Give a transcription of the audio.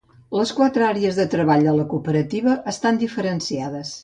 Les quatre àrees de treball de la cooperativa estan diferenciades.